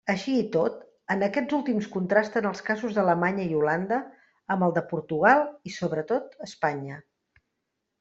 Així i tot, en aquests últims contrasten els casos d'Alemanya i Holanda, amb el de Portugal i, sobretot, Espanya.